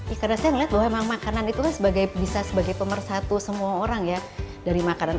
itu rasa lihat bahwa emang makanan itu sebagai bisa sebagai pemersatu semua orang ya dari makanan